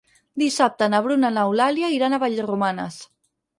Dissabte na Bruna i n'Eulàlia iran a Vallromanes.